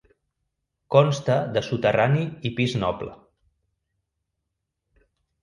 Consta de soterrani i pis noble.